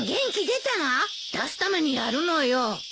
出すためにやるのよ。